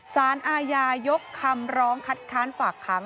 สารอาญายกคำร้องคัดค้านฝากขัง